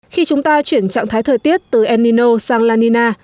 khi chúng ta chuyển trạng thái thời tiết từ el nino sang la nina